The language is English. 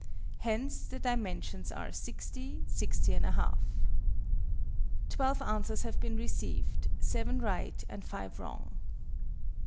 Hence the dimensions are 60, 60 1/2. Twelve answers have been received seven right and five wrong.